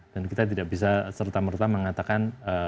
dan kita tidak bisa serta merta mengatakan